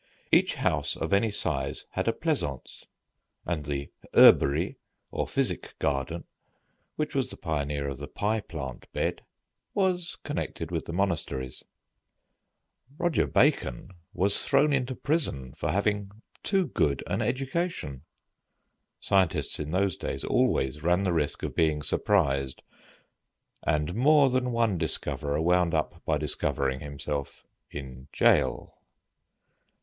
] Each house of any size had a "pleasance," and the "herberie," or physic garden, which was the pioneer of the pie plant bed, was connected with the monasteries. [Illustration: ASTROLOGY WAS THE FAVORITE STUDY OF THOSE TIMES.] Roger Bacon was thrown into prison for having too good an education. Scientists in those days always ran the risk of being surprised, and more than one discoverer wound up by discovering himself in jail.